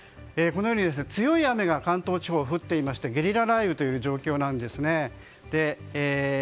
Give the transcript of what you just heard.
強い雨が関東地方は降っていましてゲリラ雷雨という状況なんですね。